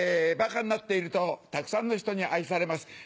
バカになっているとたくさんの人に愛されます。